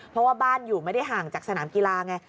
เพราะว่าบ้านอยู่ไม่ได้ห่างจากสนามกีฬาไง